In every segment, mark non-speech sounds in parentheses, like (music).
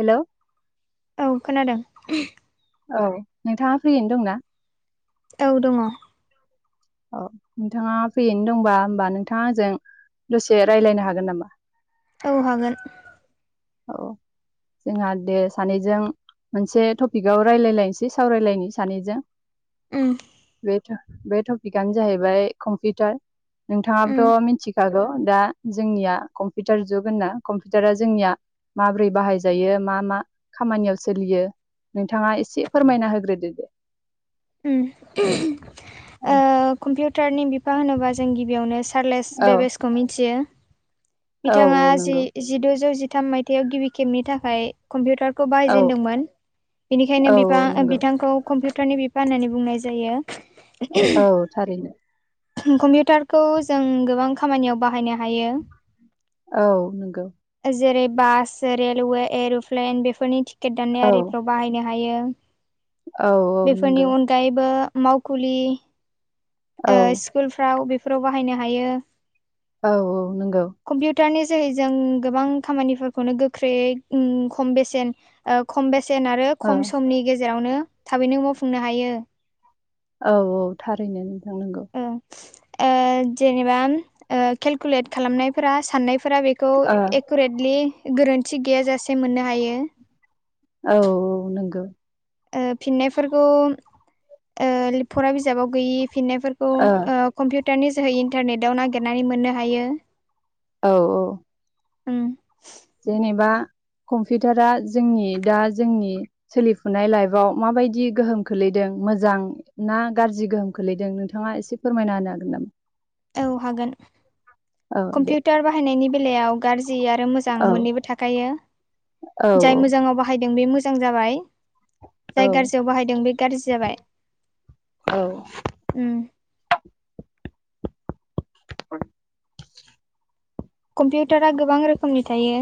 हेल' औ खोनादों औ नोंथाङा फ्रियैनो दंना औ दङ औ नोंथाङा फ्रियैनो दंबा होमबा नोंथाङा आंजों दसे रायज्लायनो हागोन नामा औ हागोन औ जोंहा दे सानैजों मोनसे टपिकआव रायलायलायसै सावरायलायनो सानैजों ओम बे टपि टपिकआनो जाहैबाय कम्पिउटार उम नोंथाङाबोथ' मिथि खागौ दा जोंनिया कम्पिउटार जुग होनना कम्पिउटारा जोंनिया माबोरै बाहायजायो मा मा खामानियाव सोलियो नोंथाङा एसे फोरमायना होग्रोदो दे ओम औ (unintelligible) कम्पिउटारनि बिफा होनोबा जों गिबियावनो औ (unintelligible) बेसखौ मिथियो औ बिथाङा औ जि नंगौ जिद'जौ जिथाम मायथाइयाव गिबि खेबनि थाखाय कम्पिउटारखौ औ बाहायजेनदोंमोन बेनिखायनो औ बि औ नंगौ बिथांखौ कम्पिउटारनि फाननानै बुंनाय जायो औ थारैनो (unintelligible) कम्पिउटारखौ जों गोबां खामानियाव बाहायनाय हायो औ नंगौ जेरै बास रेलवे एर'प्लेन बेफोरनि टिकेट दान्नाय औ आरिफ्राव बाहायनो हायो औ औ फोरनि नंगौ अनगायैबो मावखुलि ओ औ स्कुलफ्राव बेफोराव बाहायनो हायो औ औ नंगौ कम्पिउटारनि जोहै जों गोबां खामानिफोरखौनो गोख्रैयै खम बेसेन ओ खम बेसेन आरो ओ खम समनि गेजेरावनो थाबैनो मावफुंनो हायो औ औ थारैनो नोंथां नोंगौ ओ जेनेबा केलकुलेट खालामनायफोरा साननायफोरा बे खौ ओ एकुरेटलि गोरोन्थि गैयाजासे मोननो हायो औ औ नंगौ ओ फिननायफोरखौ ओ फरा बिजाबाव गैयि फिननायफोरखौ ओ कम्पिउटारनि जोहै इन्टारनेटाव नागिरनानै मोननो हायो औ ओम जेनेबा कम्पिउटारा जोंनि दा जोंनि सोलिफुनाय लाइफआव माबायदि गोहोम खोलैदों मोजां ना गाज्रि गोहोम खोलैदों नोंथाङा एसे फोरमायना होनो हागोन नामा? औ हागोन औ दे कम्पिउटार बाहायनायनि बेलायाव गाज्रि आरो मोजां औ मोननैबो थाखायो औ जाय मोजाङाव बाहायदों बे मोजां जां औ जाबाय गाज्रियाव बाहायदों बे गाज्रि जाबाय औ उम (unintelligible) कम्पिउटारा गोबां रोखोमनि थायो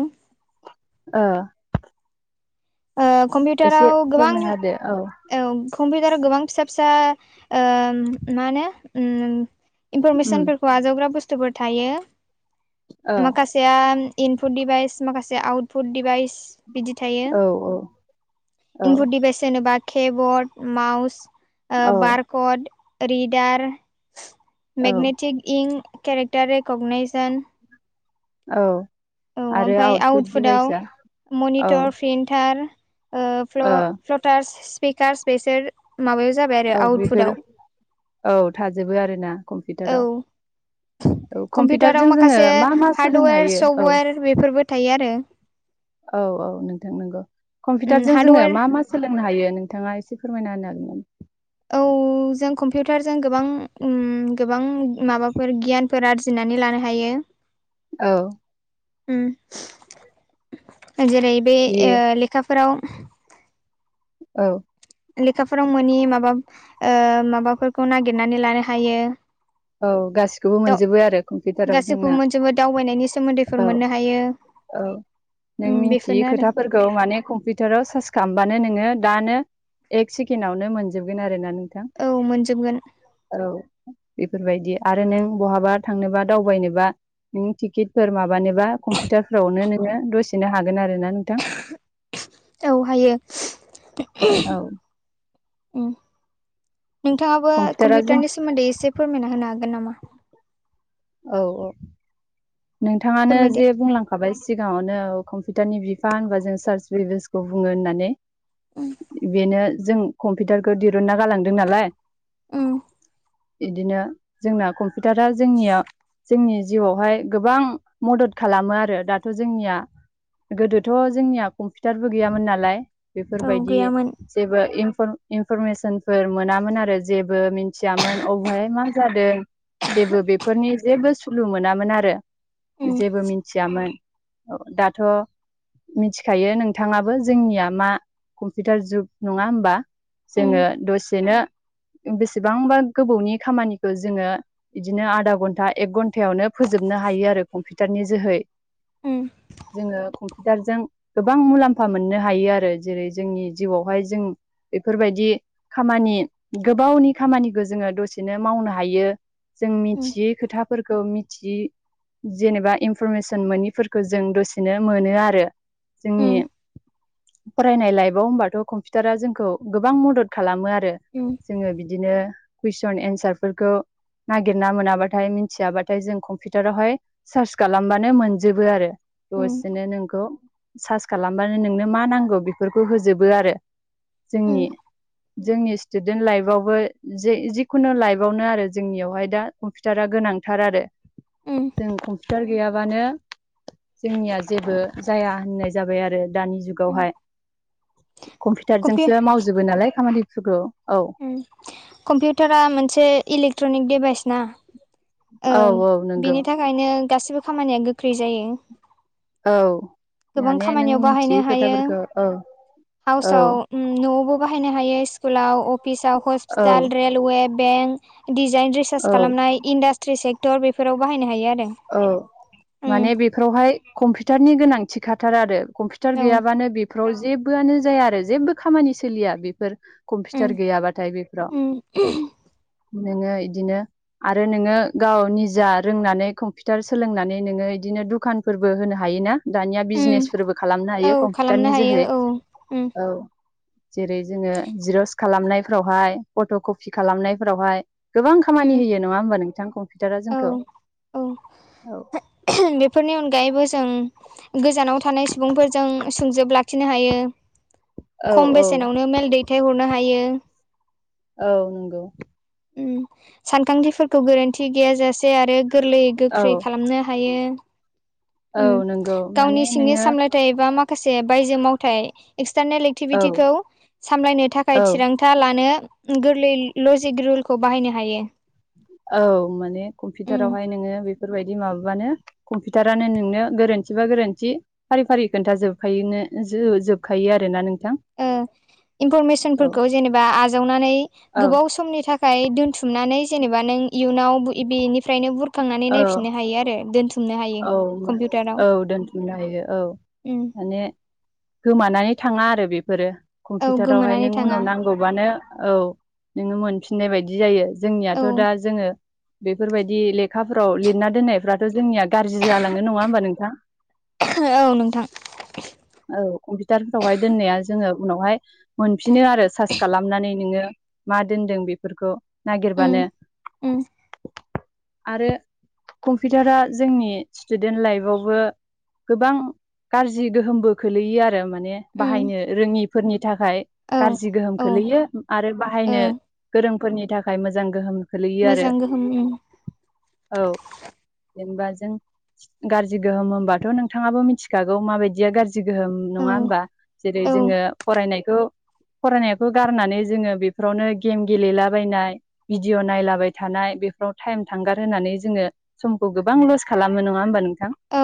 ओ ओ एसे कम्पिउटाराव गोबां फोरमायना होदो औ कम्पिउटाराव गोबां फिसा फिसा ओ मा होनो उम इनफरमेसनफोरखौ आजावग्रा बुस्थुफोर थायो ओ माखासे सेया इनपुट दिभाइस माखासे आउटपुट दिभाइस बिदि थायो। औ औ औ इनपुट दिभाइस होनोब्ला केबर्ड माउस ओ औ बार् कड रिडार औ मेगनेटिक इंक केरेक्टार रेकगनायइजन औ औ आरो ओमफ्राय आउटपुट आउटपुटाव डिभाइसआ औ मनिटर प्रिन्टार ओ फ्ल-फ्लटारस स्पिकारस बेसोर माबायाव जाबाय आरो औ बेफोर आउटपुटाव औ थाजोबो आरोना औ कम्पिउटाराव। औ कम्पिउटाराव कम्पिउटारजों जोङो माखासे मा मा सोलोंनो हार्डवेर हायो औ सफ्टवेर बेफोरबो थायो आरो औ औ नोंथां नंगौ उम कम्पिउटारजों जोङो हार्डवेर मा मा सोलोंनो हायो नोंथाङा एसे फोरमायना होनो हागोन नामा? औ (inaudible) जों कम्पिउटारजों गोबां ओम गोबां माबाफोर गियानफोर आरजिनानै लानो हायो औ उमम जेरै बे जि ओ लेखाफोराव औ लेखाफोराव मोनि माबा ओ माबाफोरखौ नागिरनानै लानो हायो‌ औ गासिखौबो (unintelligible) मोनजोबो आरो कम्पिउटाराव जोंना गासैखौबो मोनजोबो दावबायनायनि औ सोमोन्दैफोर मोननो हायो औ नों उम बेफोरनो मिन्थियै आरो खोथाफोर खौ माने कम्पिउटाराव सार्च खालामबानो नोङो दानो एक सेकेण्डआवनो मोनजोबगोन आरोना नोंथां। औ मोनजोबगोन। औ बेफोरबायदि आरो नों बहाबा थांनोबा दावबायनोबा नों टिकेटफोर माबानोबा कम्पिउटारफोरावनो नोङो दसेनो हागोन आरोना नोंथां औ हायो। औ ओम नोंथाङाबो कम्पिउटारा जों कम्पिउटारनि सोमोन्दै एसे फोरमायना होनो हागोन नामा? औ औ नोंथाङानो फोरमायदो जे बुंलां खाबाय सिगाङावनो कम्पिउटारनि बिफा होनबा जों सार्च विभसखौ बुङो होननानै। उम बेनो जों कम्पिउटारखौ दिरुुनना गालांदों नालाय। उम बिदिनो जोंना कम्पिउटारा जोंनिया जोंनि जिउआवहाय गोबां मदद खालामो आरो दाथ' जोंनिया गोदोथ' जोंनिया कम्पिउटारबो गैयामोन नालाय औ बेफोरबायदि गैयामोन जेबो इनफर इनफरमेसनफोर मोनामोन आरो जेबो मिथियामोन अबेहाय मा जादों जेबो बेफोरनि जेबो सुलु मोनामोन आरो। उम जेबो मिथियामोन दाथ' मिथिखायो नोंथाङाबो जोंनिया मा कम्पिउटार जुग नङा होमबा? उम जोङो दसेनो बेसेबांबा गोबौनि खामानिखौ जोङो बिदिनो आधा घन्टा एक घन्टायावनो फोजोबनो हायो आरो कम्पिउटारनि जोहै उम जोङो बिदारजों गोबां मुलाम्फा मोननो हायो आरो जेरै जोंनि जिउआवहाय जों बेफोरबायदि खामानि गोबावनि खामानिखौ जोङो दसेनो मावनो हायो। जों उम मिथियै खोथाफोरखौ मिथियै जेनेबा इनफरमेसन मोनिफोरखौ जों दसेनो मोनो आरो जोंनि उम फरायनाय लाइफआव होनबाथ' कम्पिउटारा जोंखौ गोबां मदद खालामो आरो औ जोङो बिदिनो कुइसन एन्सारफोरखौ नागिरना मोनाबाथाय मिन्थियाबाथाय जों कम्पिउट टारावहाय सार्च खालामबानो मोनजोबो आरो उम दसेनो नोंखौ सार्च खालामबानो नोंनो मा नांगौ बेफोरखौ होजोबो आरो जोंनि उम जोंनि स्टुडेन्ट लाइफआवबो जे जिखुनु लाइफआवनो आरो जोंनियावहाय दा कम्पिउटारा गोनांथार आरो उम जों कम्पिउटार गैयाबानो जोंनिया जेबो जाया होननाय जाबाय आरो दानि जुग उम हाय कम्पिउ कम्पिउटारजोंसो मावजोबो नालाय खामानिफोरखौ औ कम्पिउटारा मोनसे इलेक्ट्रनिक डिभाइस ना? औ ओं औ नंगौ बिनि थाखायनो गासिबो खामानिया गोख्रै जायो। औ गोबां माने नों खामानियाव बाहायनो मिथियो हायो खोथाफोरखौ औ औ हाउसाव न'आवबो बाहायनो हायो स्कुलाव अफिसाव औ hospital railway bank design research औ खालामनाय इणडास्ट्रि सेक्टर बेफोराव बाहायनो हायो आरो औ माने उम बेफोरावहाय कम्पिउटारनि गोनांथि खाथार आरो कम्पिउटार औ गैयाबानो बेफोराव जेबोआनो जाया आरो जेबो खामानि सोलिया बेफोर कम्पिउटार उम गैयाबाथाय बेफोराव उम नोङो बिदिनो आरो नोङो गाव निजा रोंनानै फिथार सोलोंनानै नोङो इदिनो दुखानफोरबो होनो हायो ना? दानिया उम बिजनेसफोरबो खालामनो औ हायो खालामनो कम्पिउटारनि हायो जोहै उम औ जेरै जोङो जिरस खालामनायफ्रावहाय फट' कपि खालामनायफोरावहाय गोबां उम खामानि होयो नङा होमबा नोंथां कम्पिउटारा औ जोंखौ औ बेफोरनि अनगायैबो जों गोजानाव थानाय सुबुंफोरजों सोंजोब लाखि नो हायो खम बेसेनावनो मेल दैथायहरनो हायो। औ नंगौ। सानखांथिफोरखौ गोरोन्थि गैयाजासे आरो गोरलैयै औ गोख्रै खालामनो हायो। औ उम नंगौ माने गावनि सिंनि नोङो सामलाय थाय बा माखासे बायजो मावथाय एक्सटारनेल औ एक्टिभिटिखौ सामलायनो थाखाय औ थिरांथा लानो गोरलै लजिक रुलखौ बाहायनो हायो। औ माने उम कम्पिउटारावहाय नोङो बेफोरबायदि माबाबानो कम्पिउटारानो नोंनो गोरोन्थिबा गोरोन्थि फारि फारि खोन्थाजोबखाय जोबखायो आरोना नोंथां? औ इनफरमेसनफोरखौ जेनेबा आजावनानै औ गोबाव समनि थाखाय थाखाय दोनथुमनानै जेनेबा नों इयुनाव बेनिफ्रायनो बुर खांनानै औ नायफिननो हायो आरो दोनथुमनो हायो। औ कम्पिउटाराव औ दोनथुमनो हायो औ उम माने गोमानानै थाङा आरो बेफोरो औ कम्पिउटारावहाय गोमानानै नों थाङा उनाव नांगौ बबानो औ नोङो मोनफिननाय बायदि जायो औ जोंनियाथ' दा जोङो बेफोरबायदि लेखाफ्राव लिरना दोननायफ्राथ' जोंनिया गाज्रि जालाङो नङा होमबा नोंथाङ औ नोंथां औ कम्पिउटारफोरावहाय दोननाया जोङो उनावहाय मोनफिनो आरो सार्स खालामनानै नोङो मा दोनदों बेफोरखौ उम नागिरबानो उम आरो कम्पिउटारा जोंनि स्टुडेन्ट लाइफआवबो गोबां गाज्रि गोहोमबो खोलैयो आरो माने उम बाहायनो रोङिफोरनि थाखाय औ गाज्रि गोहोम औ खोलैयो आरो ओ बाहायनो गोरोंफोरनि थाखाय मोजां गोहोम खोलैयो आरो मोजां गोहोम उम औ जेनेबा जों गाज्रि गोहोम होनबाथ' नोंथाङाबो मिथिखागौ माबायदिया गाज्रि गोहोम औ नङा होमबा जेरै औ जोङो फरायनायखौ फरायनायखौ गारनानै जोङो बेफोरावनो गेम गेलेलाबायनाय भिडिअ' नायलाबाय थानाय बेफोराव टाइम थांगार होननानै जोङो खौ गोबां लस खालामो नङा होमबा नोंथां औ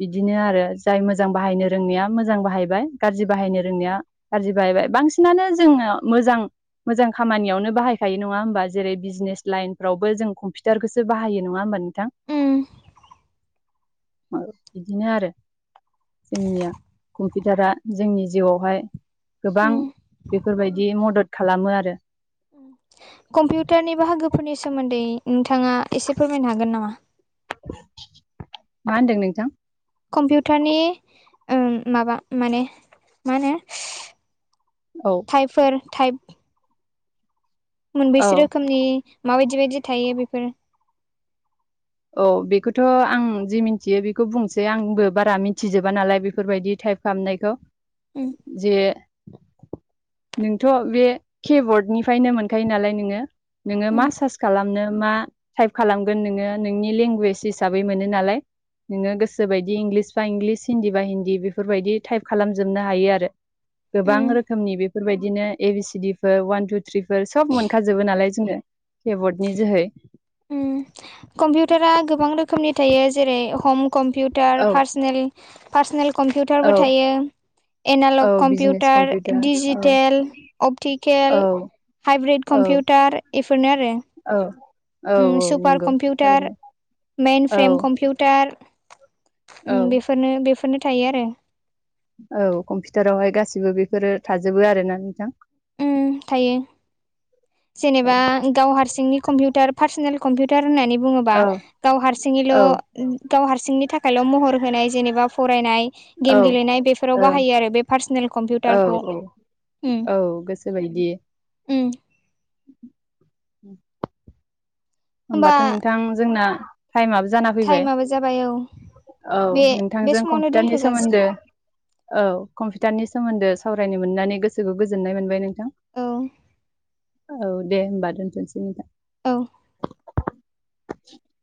बिदिनो आरो जाय मोजां बाहायनो रोंनाया मोजां बाहायबाय गाज्रि बाहायनो रोंनाया गजि बाहबाय बांसिनानो जोङो मोजां मोजां खामानियावनो बाहायखायो नङा होमबा जेरै बिजनेस लाइन फोरावबो जों कम्पिउटारखौसो बाहायो नङा होमबा नोंथां उम बिदिनो आरो जोंनिया कम्पिउटारा जोंनि जिउआवहाय गोबां उम बेफोरबायदि मदद खालामो आरो कम्पिउटारनि बाहागोफोरनि सोमोन्दै नोंथाङा एसे फोरमायनो हागोन नामा मा होनदों नोंथां कम्पिउटारनि माबा माने मा होनो औ हाइफोर टाइप औ मोनबेैसो रोखोमनि माबायदि बायदि थायो बेफोर औ बेखौथ' आं जि मिथियो बेखौ बुंसै आंबो बारा मिथिजोबा नालाय बेफोरबायदि टाइप खालामामनायखौ उम जे नोंथ' बे केबर्डनिफ्रायनो मोनखायो नालाय नोङो नोङो मा उम सार्च खालामनो मा टाइप खालामगोन नोङो नोंनि लेंगुवेज हिसै मोनो नालाय नोङो गोसो बायदि इं बा इंलिस हिन्दी बा हिन्दी बेफोरबायदि टाइप खालामजोबनो हायो आरो गोबां उम रोखोमनि बेफोरबायदि बिदिनो ए बि सिडिफोर ववान टु थ्रिफोर सब मोनखाजोबो नालाय जोङो केबर्डनि जोहै कम्पिउटारा गोबां रोखोमनि थायो जेरै हम कम्पिउटार औ उार पार्सनेल औ कम्पिउटारबो थायो एनालग औ बिजनेस कम्पिउटार औ डिजिटेल अपटिकेल औ हाइब्रिद औ कम्पिउटार इफोरनो आरो औ औ उम औ सुपार नंगौ कम्पिउटार थारैनो मेइन औ फ्रेम कम्पिउटार उम औ बेफोरनो बेफोरनो थायो आरो। औ कम्पिउटारावहाय गासिबो बेफोरो थाजोबो आरो ना नोंथां। उम थायो। औ जेनेबा गाव हारसिंनि कम्पिउटार पार्सनेल कम्पिउटार होननानै बुङोबा औ गाव हारसिङैल' औ गाव हारसिंनि थाखायल' महर होनाय जेनेबा फरायनाय औ गेम गेलेनाय बेफोराव बाहायो आरो बे पार्सनेल औ कम्पिउटारखौ। औ उम औ गोसो बायदि। उम। होमबा होमबाथ' नोंथां जोंना टाइमाबो जाना फैबाय टाइमाबो जाबाय औ औ बे बे नोंथांजों समावनो दोनथ' कम्पिउटारनि जासिगोन सोमोन्दो औ कम्पिउटारनि सोमोन्दो सावरायनो मोननानै गोसोखौ गोजोननाय मोनबाय नोंथां। औ। औ दे होनोमबा दोनथ'नसै नोंथां। औ। (inaudible)